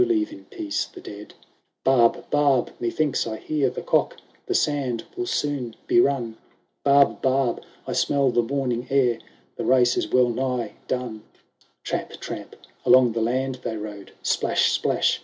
O leave in peace the dead !" LVI " Barb ! Barb ! methinks I hear the cock ; The sand will soon be run : Barb ! Barb ! I smell the morning air ; The race is well nigh done." LVII Tramp ! tramp ! along the land they rode, Sj>lash! splash!